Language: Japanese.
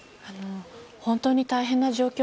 本当に大変な状況